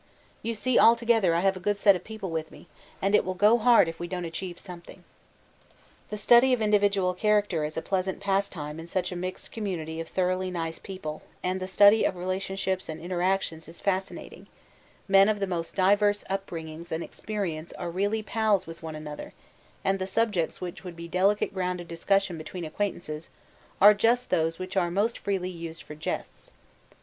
You see altogether I have a good set of people with me, and it will go hard if we don't achieve something. 'The study of individual character is a pleasant pastime in such a mixed community of thoroughly nice people, and the study of relationships and interactions is fascinating men of the most diverse upbringings and experience are really pals with one another, and the subjects which would be delicate ground of discussion between acquaintances are just those which are most freely used for jests.